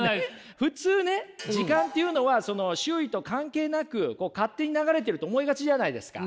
普通ね時間っていうのは周囲と関係なく勝手に流れてると思いがちじゃないですか。